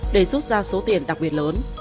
để rút ra số tiền đặc biệt lớn